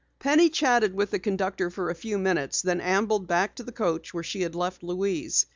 Penny chatted with the conductor for a few minutes, then ambled back to the coach where she had left Louise.